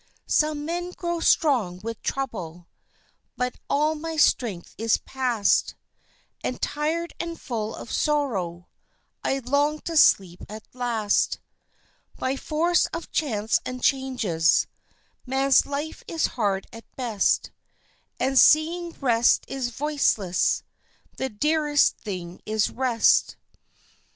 Some men grow strong with trouble, But all my strength is past, And tired and full of sorrow, I long to sleep at last. By force of chance and changes Man's life is hard at best; And, seeing rest is voiceless, The dearest thing is rest.